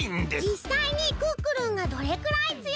じっさいにクックルンがどれくらいつよいのか